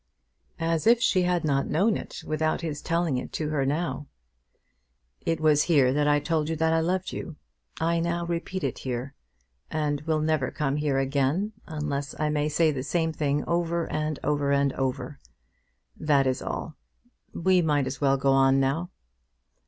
As if she had not known it without his telling it to her now! "It was here that I told you that I loved you. I now repeat it here; and will never come here again unless I may say the same thing over and over and over. That is all. We might as well go on now."